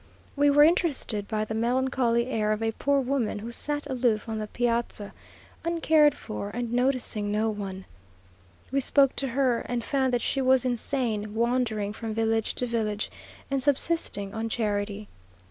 We were interested by the melancholy air of a poor woman, who sat aloof on the piazza, uncared for, and noticing no one. We spoke to her, and found that she was insane, wandering from village to village, and subsisting on charity.